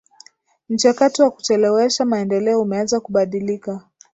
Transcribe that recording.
Mchakato wa kuchelewesha maendeleo umeanza kubadilika